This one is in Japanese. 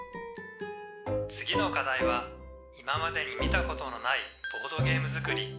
「次の課題は今までに見たことのないボードゲームづくり」。